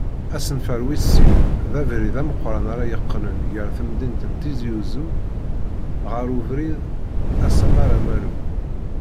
Asenfar wis sin, d abrid ameqqran ara yeqqnen gar temdint n Tizi Uzzu ɣar ubrid Asammar-Amalu.